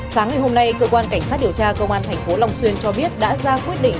sáng ngày hôm nay cơ quan cảnh sát điều tra công an thành phố long xuyên cho biết đã ra quyết định